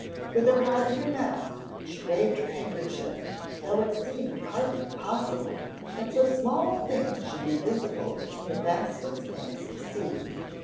With her heart in her mouth she waved her handkerchief, though it seemed hardly possible that so small a thing should be visible in that vast expanse of sea.